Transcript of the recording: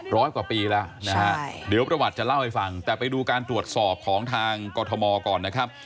ร้อยกว่าปีแล้วนะฮะเดี๋ยวประวัติจะเล่าให้ฟังแต่ไปดูการตรวจสอบของทางกรทมก่อนนะครับ